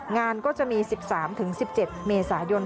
งานก็จะมี๑๓๑๗เมษายน